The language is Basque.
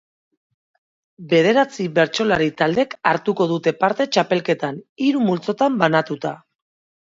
Bederatzi bertsolari taldek hartuko dute parte txapelketan, hiru multzotan banatuta.